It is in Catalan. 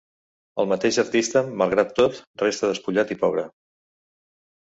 El mateix artista, malgrat tot, resta despullat i pobre.